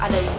ada sih kak